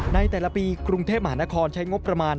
ในแต่ละปีกรุงเทพมหานครใช้งบประมาณ